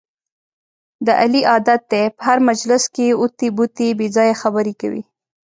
د علي عادت دی، په هر مجلس کې اوتې بوتې بې ځایه خبرې کوي.